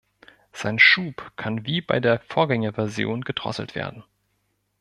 Sein Schub kann wie bei der Vorgängerversion gedrosselt werden.